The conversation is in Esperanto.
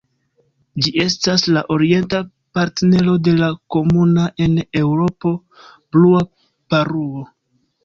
Ĝi estas la orienta partnero de la komuna en Eŭropo Blua paruo.